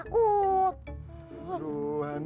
katanya lo gak takut